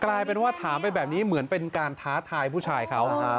กลายเป็นว่าถามไปแบบนี้เหมือนเป็นการท้าทายผู้ชายเขา